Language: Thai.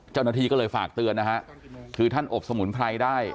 เจ้าหน้าที่ก็เลยฝากเตือนนะฮะคือท่านอบสมุนไพรได้